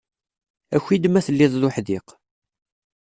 Aki-d ma telliḍ d uḥdiq